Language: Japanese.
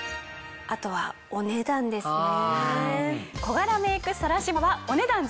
あとはお値段ですね。